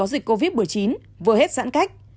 dịch covid một mươi chín vừa hết giãn cách